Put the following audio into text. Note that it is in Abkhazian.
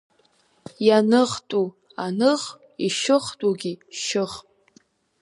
Ианыхтәу аных, ишьыхтәугьы шьых.